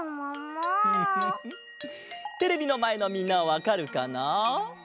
テレビのまえのみんなはわかるかな？